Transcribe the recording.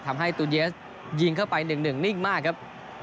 ทำให้ตูนเยสยิงเข้าไป๑๑นิ่งมากครับ